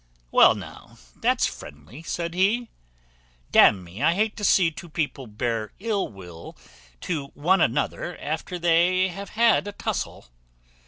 "Why now, that's friendly," said he; "d n me, I hate to see two people bear ill will to one another after they have had a tussel.